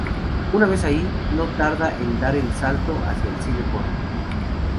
Una vez ahí, no tarda en dar el salto hacia el cine porno.